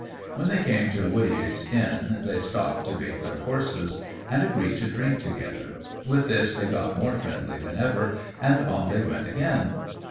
When they came to Woodyates Inn they stopped to bait their horses, and agreed to drink together; with this they got more friendly than ever, and on they went again.